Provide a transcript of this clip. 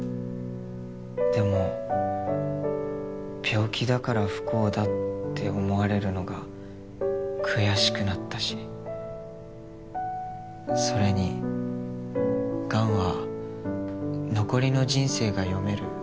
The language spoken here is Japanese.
でも病気だから不幸だって思われるのが悔しくなったしそれに癌は残りの人生が読める